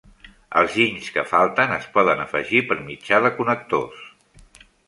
Els ginys que falten es poden afegir per mitjà de connectors.